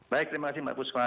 baik terima kasih mbak puspa